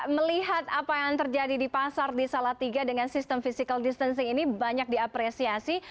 melihat apa yang terjadi di pasar di salatiga dengan sistem physical distancing ini banyak diapresiasi